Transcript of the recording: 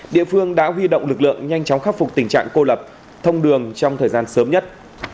địa phương đã huy động lực lượng nhanh chóng khắc phục tình trạng cô lập thông đường trong thời gian sớm nhất